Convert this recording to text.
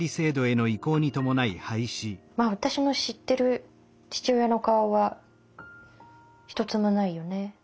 まあ私の知ってる父親の顔は一つもないよね。